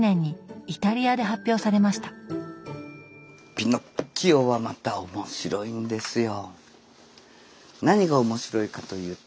「ピノッキオ」はまた面白いんですよ。